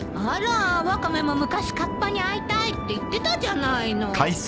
あらワカメも昔カッパに会いたいって言ってたじゃないの。